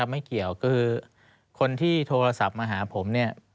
ไม่เกี่ยวก็คือคนที่โทรศัพท์มาหาผม